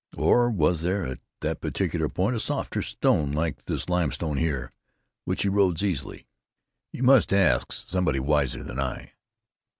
Or was there, at that particular point, a softer stone, like this limestone here, which erodes easily?" "You must ask somebody wiser than I."